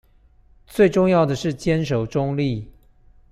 最重要的是堅守中立